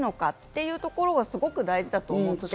ういうところはすごく大事だと思います。